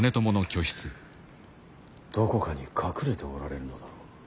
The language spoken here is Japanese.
どこかに隠れておられるのだろう。